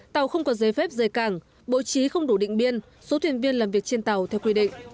tàu không có giấy phép dây càng bộ trí không đủ định biên số thuyền viên làm việc trên tàu theo quy định